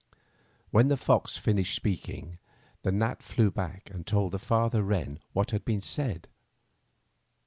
When the fox finished speaking, the gnat fiew back and told the father wren what had been said.